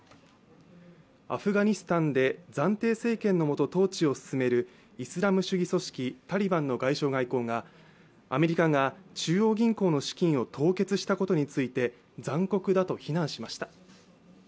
アフガニスタンで暫定政権の下統治を進めるイスラム主義組織タリバンの外相代行がアメリカが中央銀行の資金を凍結したことについて残酷だと非難しました。